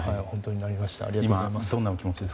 ありがとうございます。